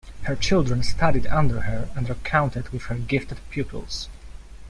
Her children studied under her and are counted with her gifted pupils.